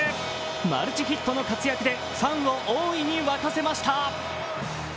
マルチヒットの活躍でファンを大いに沸かせました。